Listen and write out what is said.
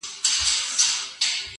o يو ما و تا.